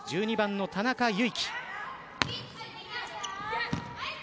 １２番の田中結姫。